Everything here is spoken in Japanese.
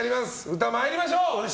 歌、参りましょう。